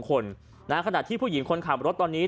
คนขณะที่ผู้หญิงคนขับรถตอนนี้